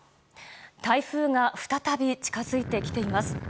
台風が再び近づいてきています。